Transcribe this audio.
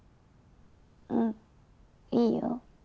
うんいいよ。